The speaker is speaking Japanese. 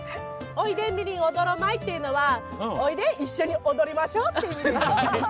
おいでんみりんおどろまいというのはおいで、一緒に踊りましょうという意味です。